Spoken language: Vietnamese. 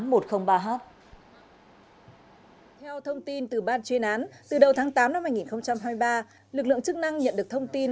theo thông tin từ ban chuyên án từ đầu tháng tám năm hai nghìn hai mươi ba lực lượng chức năng nhận được thông tin